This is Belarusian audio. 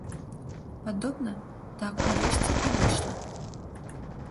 Падобна, так, урэшце, і выйшла.